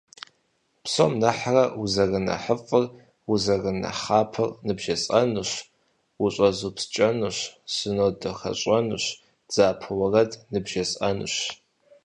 Псом нэхъырэ узэрынэхъыфӏыр, узэрынэхъапэр ныбжесӏэнущ, ущӏэзупскӏэнущ, сынодахэщӏэнущ, дзапэ уэрэд ныбжесӏэнущ.